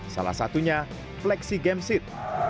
salah satunya flexi game seat